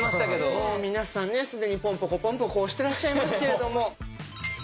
もう皆さんね既にポンポコポンポコ押してらっしゃいますけれども。